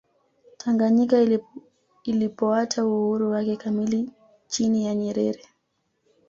tanganyika ilipoata uhuru wake kamili chini ya nyerere